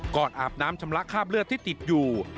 อาบน้ำชำระคราบเลือดที่ติดอยู่